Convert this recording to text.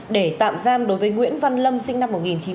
để tạm giam đối với nguyễn văn lâm sinh năm một nghìn chín trăm tám mươi